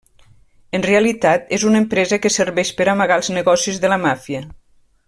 En realitat és una empresa que serveix per amagar els negocis de la màfia.